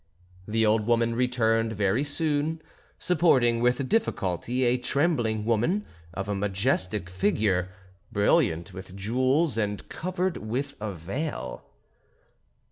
The old woman returned very soon, supporting with difficulty a trembling woman of a majestic figure, brilliant with jewels, and covered with a veil.